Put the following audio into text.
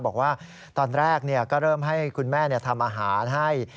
บอกว่าตอนแรกก็เริ่มให้คุณแม่ทำอาหารให้